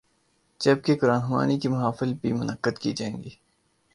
جب کہ قرآن خوانی کی محافل بھی منعقد کی جائیں گی۔